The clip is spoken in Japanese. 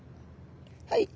はい。